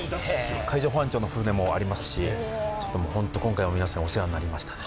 海上保安庁の船もありますし今回もお世話になりましたね。